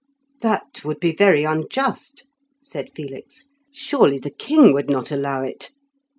"That would be very unjust," said Felix. "Surely the king would not allow it?"